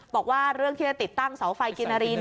บอกว่าเรื่องที่จะติดตั้งเสาไฟกินนารี